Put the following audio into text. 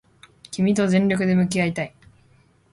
君と全力で向き合いたい